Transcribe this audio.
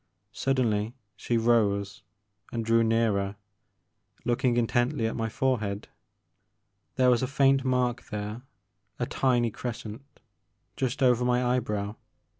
Suddenly she rose and drew nearer, looking intently at my forehead. There was a faint mark there, a tiny crescent, just over my eyebrow.